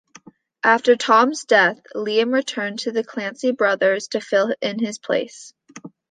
After Tom's death, Liam returned to the Clancy Brothers to fill in his place.